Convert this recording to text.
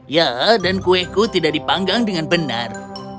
ya dan kueku tidak dipanggang dengan benar